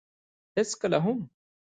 هېڅکله هم.